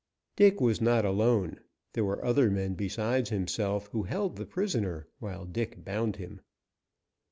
Dick was not alone; there were other men besides himself, who held the prisoner while Dick bound him.